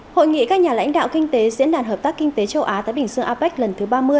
hội nghị các nhà lãnh đạo kinh tế diễn đàn hợp tác kinh tế châu á thái bình dương apec lần thứ ba mươi